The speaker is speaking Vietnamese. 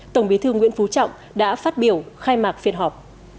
tổng bí thư nguyễn phú trọng đã phát biểu khai mạc phiên họp